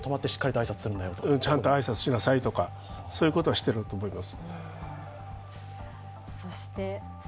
ちゃんと挨拶しなさいとか、そういうことはしていると思います。